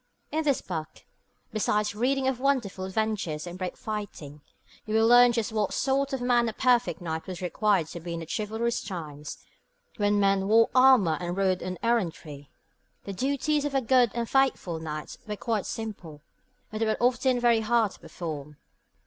In this book, besides reading of wonderful adventures and brave fighting, you will learn just what sort of man a perfect knight was required to be in the chivalrous times when men wore armour and rode on errantry. The duties of a 'good and faithful knight' were quite simple, but they were often very hard to perform.